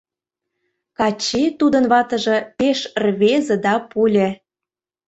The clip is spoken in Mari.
Качи, тудын ватыже, пеш рвезе да пуле.